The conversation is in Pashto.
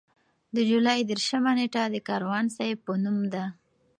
د جولای دېرشمه نېټه د کاروان صیب په نوم ده.